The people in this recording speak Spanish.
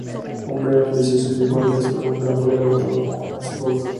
Hombre ambicioso, llegó a disponer un gran poder autónomo en su feudo territorial.